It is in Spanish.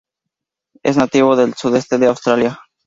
Es nativo del sudeste de Australia.